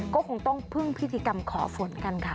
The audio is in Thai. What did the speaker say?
ก็คงต้องพึ่งพิธีกรรมขอฝนกันค่ะ